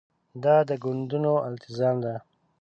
دا د ګوندونو التزام ده.